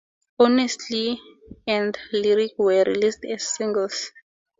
"Honestly" and "Lyric" were released as singles.